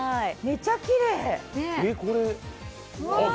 めちゃきれい。